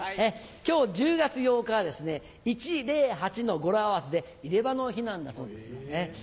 今日１０月８日はですね１０８の語呂合わせで入れ歯の日なんだそうです。